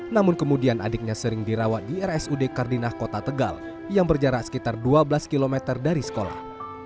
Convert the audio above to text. namun kemudian adiknya sering dirawat di rsud kardinah kota tegal yang berjarak sekitar dua belas km dari sekolah